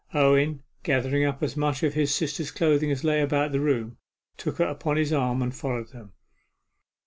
Owen, gathering up as much of his sister's clothing as lay about the room, took her upon his arm, and followed them.